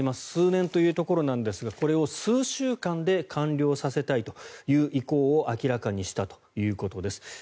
数年というところなんですがこれを数週間で完了させたいという意向を明らかにしたということです。